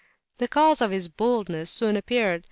The cause of this "bouldness" soon appeared.